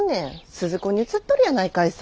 鈴子にうつっとるやないかいさ。